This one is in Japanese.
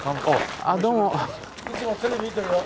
・いつもテレビ見てるよ。